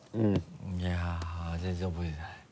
いやっ全然覚えてない。